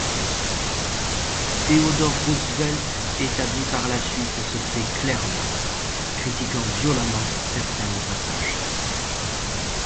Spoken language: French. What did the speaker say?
Theodore Roosevelt établit par la suite ce fait clairement, critiquant violemment certains au passage.